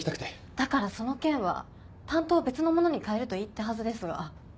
だからその件は担当を別の者に代えると言ったはずですが。